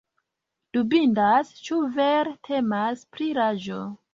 Dubindas ĉu vere temas pri lago.